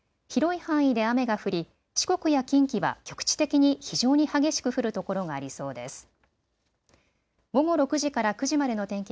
広い範囲で雨が降り四国や近畿は局地的に非常に激しく降る所がありそうです。